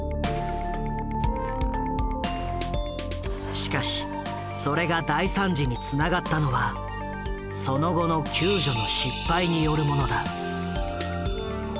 しかしそれが大惨事につながったのはその後の救助の失敗によるものだ。